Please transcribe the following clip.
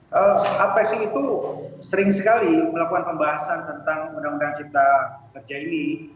hpsi itu sering sekali melakukan pembahasan tentang undang undang cipta kerja ini